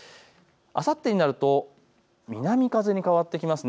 あさってになると南風に変わってきます。